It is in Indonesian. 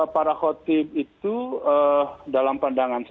para khotib itu dalam pandangan saya